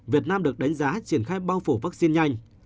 việt nam được đánh giá triển khai bao phủ vắc xin nhanh